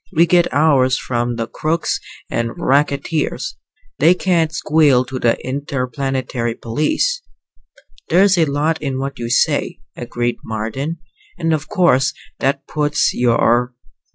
We get ours from the crooks and racketeers. They can't squeal to the Interplanetary Police." "There's a lot in what you say," agreed Marden. "And of course that puts your